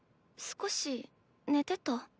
少し寝てた？